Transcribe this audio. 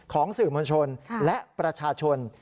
ของสื่อมวลชนและประชาชน